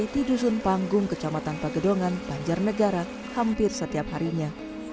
di dusun panggung kecamatan pagedongan banjarnegara hampir setiap harinya